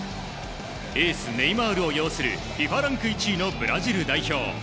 エース、ネイマールを擁するＦＩＦＡランク１位のブラジル代表。